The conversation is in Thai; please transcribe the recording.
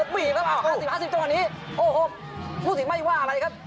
เก่าหลาด๕๐จังหวานี้อ้าวพูดสิไม่ว่าอะไรครับ